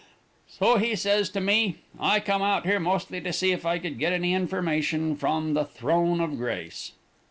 So he says to me, 'I come out here mostly to see if I could get any information from the Throne of Grace.'